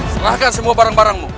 serahkan semua barang barangmu